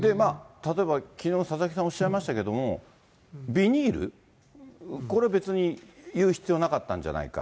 例えばきのう、佐々木さん、おっしゃいましたけども、ビニール、これ別に、言う必要なかったんじゃないか。